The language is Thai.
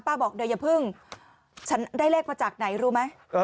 บอกเดี๋ยวอย่าเพิ่งฉันได้เลขมาจากไหนรู้ไหม